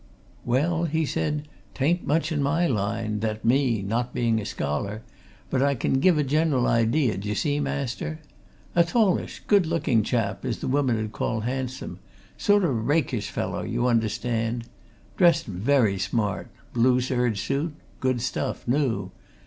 "Well," he said, "t'aint much in my line, that, me not being a scholar, but I can give a general idea, d'ye see, master. A tallish, good looking chap, as the women 'ud call handsome, sort of rakish fellow, you understand. Dressed very smart. Blue serge suit good stuff, new.